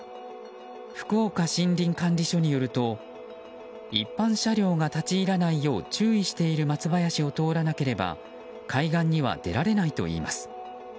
福岡森林管理署によると一般車両が立ち入らないよう注意している松林を通らなければ海岸には出られないといいます。